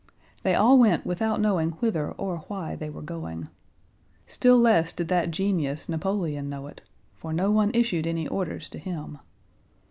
They all went without knowing whither or why they were going. Still less did that genius, Napoleon, know it, for no one issued any orders to him.